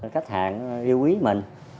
cách hàng yêu quý mình